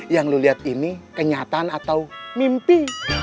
yang lu lihat ini kenyataan atau mimpi